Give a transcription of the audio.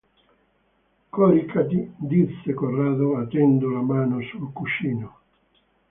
Còricati, – disse Corrado, battendo la mano sul cuscino.